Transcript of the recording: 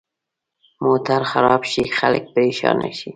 موټر خراب شي، خلک پرېشانه شي.